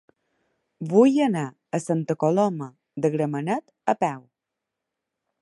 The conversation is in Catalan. Vull anar a Santa Coloma de Gramenet a peu.